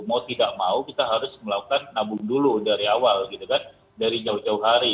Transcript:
mau tidak mau kita harus melakukan nabung dulu dari awal gitu kan dari jauh jauh hari